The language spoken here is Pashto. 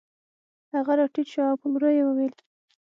هغه راټیټ شو او په ورو یې وویل